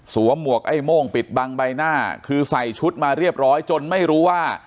หมวกไอ้โม่งปิดบังใบหน้าคือใส่ชุดมาเรียบร้อยจนไม่รู้ว่า